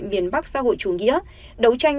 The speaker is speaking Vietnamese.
miền bắc xã hội chủ nghĩa đấu tranh